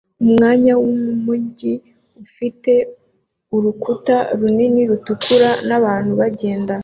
Umwanya wumujyi ufite urukuta runini rutukura nabantu bagenda